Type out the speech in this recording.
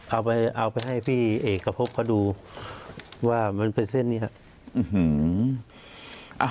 เอาไปเอาไปให้พี่เอกพบเขาดูว่ามันเป็นเส้นนี้ครับ